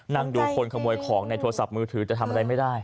นั่งดูคนขโมยของในโทรศัพท์มือถือแต่ทำอะไรไม่ได้